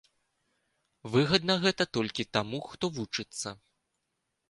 Выгадна гэта толькі таму, хто вучыцца.